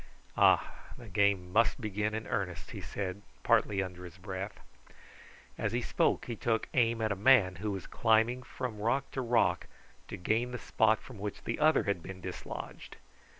Ah! the game must begin in earnest," he said partly under his breath. As he spoke he took aim at a man who was climbing from rock to rock to gain the spot from which the other had been dislodged.